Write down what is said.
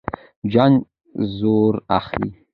جنګ زور اخلي.